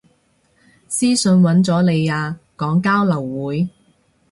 私訊搵咗你啊，講交流會